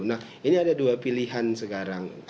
nah ini ada dua pilihan sekarang